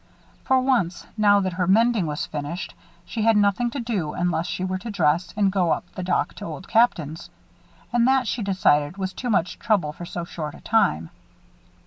For once, now that her mending was finished, she had nothing to do unless she were to dress, and go up the dock to Old Captain's. And that, she decided, was too much trouble for so short a time.